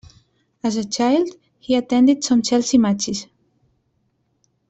As a child, he attended some Chelsea matches.